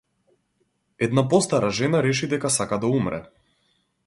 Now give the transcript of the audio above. Една постара жена реши дека сака да умре.